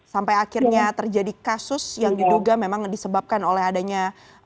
sampai akhirnya terjadi kasus yang diduga memang disebabkan oleh adanya